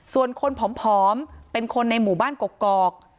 ส่วนคนผอมเป็นคนในหมู่บ้านกกอก